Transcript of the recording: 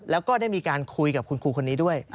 แล้วก็ได้มีการคุยกับคุณครูคนนี้ด้วย